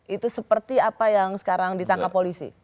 itu seperti apa yang sekarang ditangkap polisi